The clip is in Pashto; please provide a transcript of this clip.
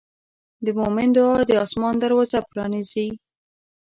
د مؤمن دعا د آسمان دروازه پرانیزي.